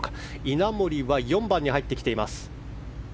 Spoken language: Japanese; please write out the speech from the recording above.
稲森は４番に入ってきています。